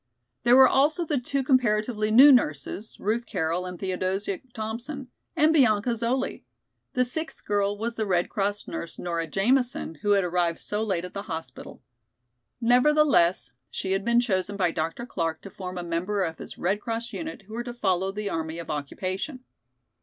There were also the two comparatively new nurses, Ruth Carroll and Theodosia Thompson, and Bianca Zoli. The sixth girl was the Red Cross nurse, Nora Jamison, who had arrived so late at the hospital. Nevertheless she had been chosen by Dr. Clark to form a member of his Red Cross unit who were to follow the army of occupation.